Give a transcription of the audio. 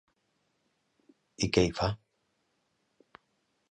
I què hi fa?